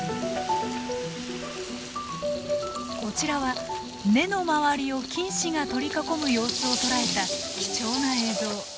こちらは根の周りを菌糸が取り囲む様子を捉えた貴重な映像。